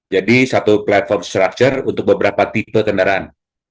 jadi satu platform structure untuk beberapa tipe kendaraan